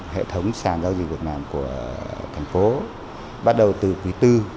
hệ thống sàn giao dịch việc làm của thành phố bắt đầu từ quý iv